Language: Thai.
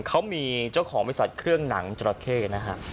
เขามีเจ้าของวิสัชน์เครื่องหนังย์นะทำ